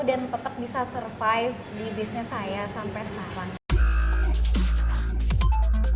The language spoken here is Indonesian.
dan tetap bisa survive di bisnis saya sampai sekarang